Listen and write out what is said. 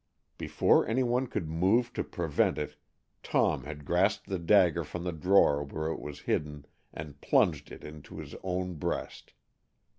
Before any one could move to prevent it Tom had grasped the dagger from the drawer where it was hidden and plunged it into his own breast.